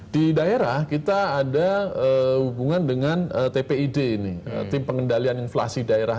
di daerah kita ada hubungan dengan tpid ini tim pengendalian inflasi daerah